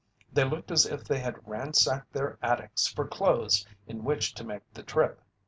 They looked as if they had ransacked their attics for clothes in which to make the trip.